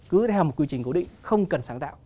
cứ theo một quy trình cố định không cần sáng tạo